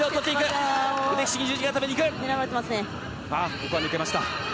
ここは抜けました。